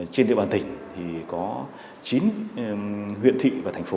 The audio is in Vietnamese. trên địa bàn tỉnh có chín huyện thị thành phố